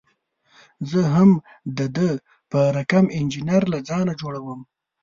زه هم د ده په رقم انجینر له ځان څخه جوړوم.